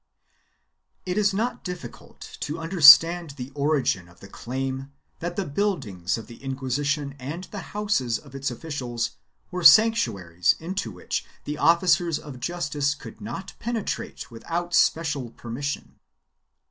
3 It is not difficult to understand the origin of the claim that the buildings of the Inquisition and the houses of its officials were sanctuaries into which the officers of justice could not penetrate without special permission.